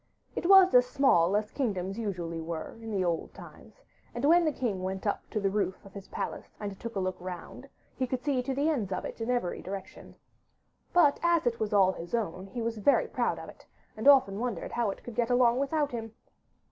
It was as small as kingdoms usually were in old times, and when the king went up to the roof of his palace and took a look round he could see to the ends of it in every direction. But as it was all his own, he was very proud of it, and often wondered how it would get along without him.